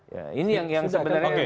ya ini yang sebenarnya